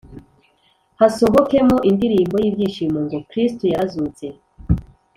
hasohokemo indirimbo y’ibyishimo ngo, “kristo yarazutse!